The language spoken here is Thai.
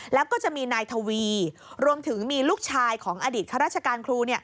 แล้วก็จะมีนายทวีรวมถึงมีลูกชายของอดีตข้าราชการครู